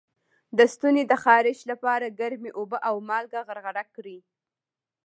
د ستوني د خارش لپاره ګرمې اوبه او مالګه غرغره کړئ